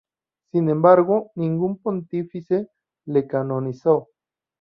Sin embargo ningún pontífice le canonizó.